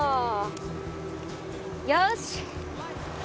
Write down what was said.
よし！